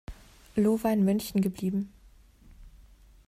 Lo war in München geblieben.